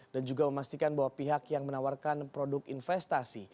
dan juga memastikan bahwa pihak yang menawarkan produk investasi